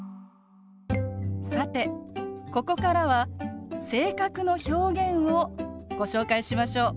さてここからは性格の表現をご紹介しましょう。